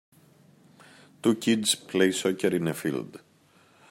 Two kids play soccer in a field.